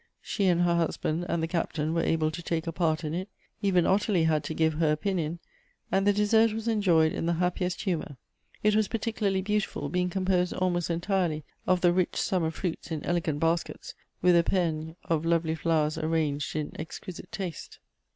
She and her husband and the Captain were able to take a part in it. Even Ottilie had to give her opinion ; and the dessert was enjoyed in the happiest humor. It was particularly beautiful, being com posed almost entirely of the rich summer fruits in .elegant 92 Goethe's baskets, with epergnes of lovely flowers arranged in ex quisite taste.